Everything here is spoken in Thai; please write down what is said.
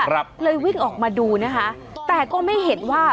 ครับเลยวิ่งออกมาดูนะคะแต่ก็ไม่เห็นว่า